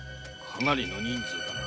かなりの人数だな。